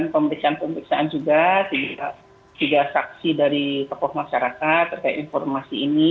pemeriksaan pemeriksaan juga tiga saksi dari tokoh masyarakat terkait informasi ini